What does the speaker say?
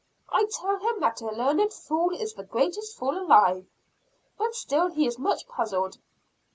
I tell him that a learned fool is the greatest fool alive; but still he is much puzzled.